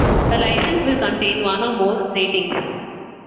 A licence will contain one or more "ratings".